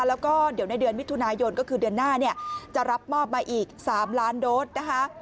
แล้วก็เดี๋ยวในเดือนมิถุนายนก็คือเดือนหน้าเนี่ยจะรับมอบมาอีก๓ล้านโดสนะคะ